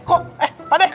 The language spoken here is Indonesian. kok eh pak deh